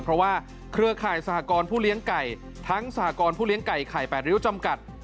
เพราะว่าเครือข่ายสหกรณ์ผู้เลี้ยงไก่ทั้งสหกรณ์ผู้เลี้ยงไก่ไข่๘ริ้วจำกัด